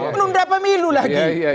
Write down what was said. menunda pemilu lagi